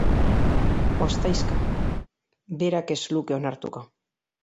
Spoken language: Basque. Ostaizka, berak ez luke onartuko.